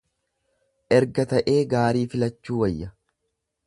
Erga ta'ee gaarii filachuu wayya.